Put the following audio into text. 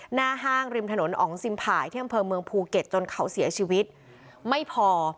หน้าห้างริมถนนอ๋องซิมผ่ายที่อำเภอเมืองภูเก็ตจนเขาเสียชีวิตไม่พอ